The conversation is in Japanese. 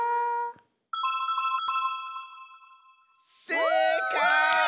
せいかい！